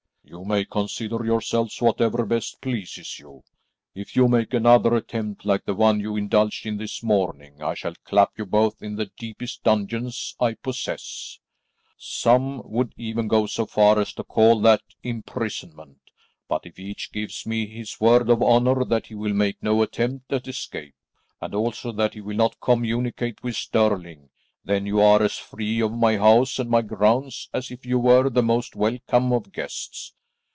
"You may consider yourselves whatever best pleases you. If you make another attempt like the one you indulged in this morning, I shall clap you both in the deepest dungeons I possess. Some would even go so far as to call that imprisonment, but if each gives me his word of honour that he will make no attempt at escape, and also that he will not communicate with Stirling, then you are as free of my house and my grounds as if you were the most welcome of guests.